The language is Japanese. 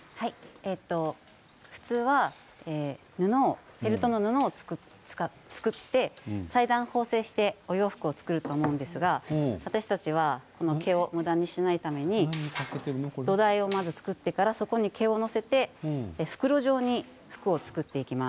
普通はフェルトの布を作って裁断縫製してお洋服を作ると思うんですが私たちはこの毛をむだにしないために土台をまず作ってからそこに毛を載せて袋状に服を作っていきます。